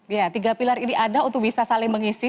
ya tiga pilar ini ada untuk bisa saling mengisi